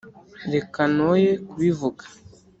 Reka noye kubivuga